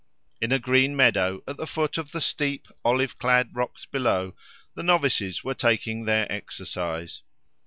In a green meadow at the foot of the steep olive clad rocks below, the novices were taking their exercise.